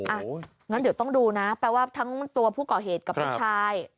อ่ะงั้นเดี๋ยวต้องดูนะแปลว่าทั้งตัวผู้ก่อเหตุกับลูกชาย